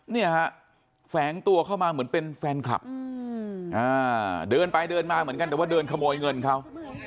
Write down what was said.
เนี่ยฮะแฝงตัวเข้ามาเหมือนเป็นแฟนคลับเดินไปเดินมาเหมือนกันแต่ว่าเดินขโมยเงินเขา